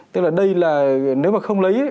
tức là đây là nếu mà không lấy